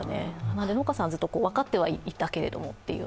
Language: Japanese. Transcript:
なので農家さん、ずっと分かってはいたけれどもという。